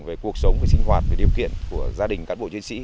về cuộc sống về sinh hoạt về điều kiện của gia đình cán bộ chiến sĩ